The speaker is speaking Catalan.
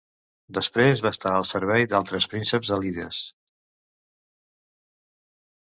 Després va estar al servei d'altres prínceps alides.